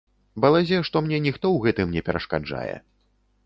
Балазе, што мне ніхто ў гэтым не перашкаджае.